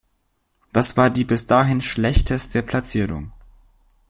Das war die bis dahin schlechteste Platzierung.